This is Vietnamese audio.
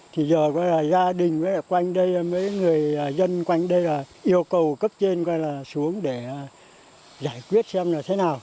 thì giờ gia đình quanh đây mấy người dân quanh đây là yêu cầu cấp trên qua là xuống để giải quyết xem là thế nào